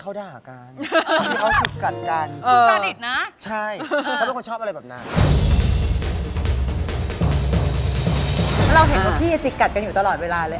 เราเห็นว่าพี่จิกกัดกันอยู่ตลอดเวลาเลย